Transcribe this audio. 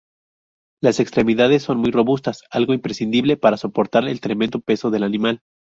Las extremidades son muy robustas, algo imprescindible para soportar el tremendo peso del animal.